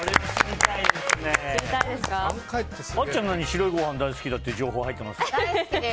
あっちゃん、白いご飯大好きだって情報入ってますけど。